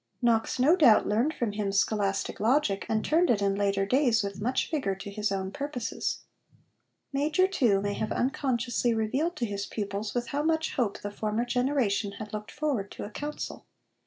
Knox no doubt learned from him scholastic logic, and turned it in later days with much vigour to his own purposes. Major, too, may have unconsciously revealed to his pupils with how much hope the former generation had looked forward to a council.